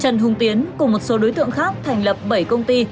trần hùng tiến cùng một số đối tượng khác thành lập bảy công ty